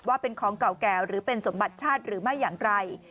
ว่าเป็นของเก่าแก่หรือเป็นสมบัติชาติหรือไม่อย่างไร